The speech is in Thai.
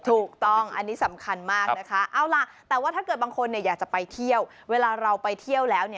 ถูกต้องอันนี้สำคัญมากนะคะเอาล่ะแต่ว่าถ้าเกิดบางคนอยากจะไปเที่ยวเวลาเราไปเที่ยวแล้ว